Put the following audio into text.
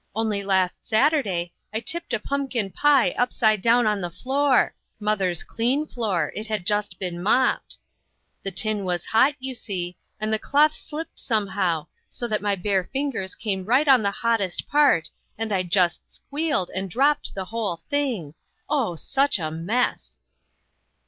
Only last Saturday I tipped a pump kin pie upside down on the floor; mother's clean floor, it had just been mopped. The tin was hot, you see, and the cloth slipped somehow, so that my bare fingers came right on the hottest part, and I just squealed, and dropped the whole thing. Oh, such a mess!"